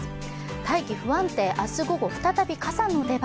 大気不安定、明日午後、再び傘の出番。